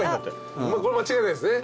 これは間違いないですね。